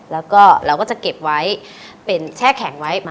แล้วก็เราจะเก็บไว้แช่แข็งไว้มา